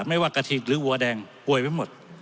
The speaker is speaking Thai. ไม่ว่ากระทิกหรือวัวแดงป่วยไปหมด